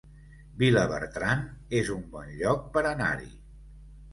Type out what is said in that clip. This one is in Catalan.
Vilabertran es un bon lloc per anar-hi